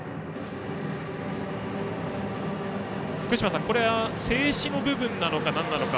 福島さん、これは静止の部分なのかなんなのか。